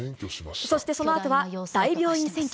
そしてそのあとは、大病院占拠。